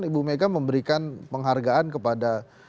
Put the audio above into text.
ibu mega memberikan penghargaan kepada